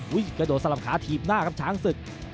กระโดดสลับขาถีบหน้าครับช้างศึก